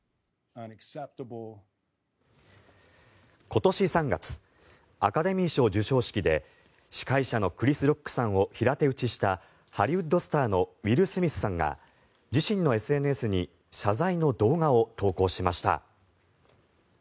今年３月アカデミー賞授賞式で司会者のクリス・ロックさんを平手打ちしたハリウッドスターのウィル・スミスさんが自身のＳＮＳに謝罪の動画を投稿しました。